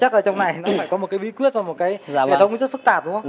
chắc ở trong này nó phải có một cái bí quyết và một cái hệ thống rất phức tạp đúng không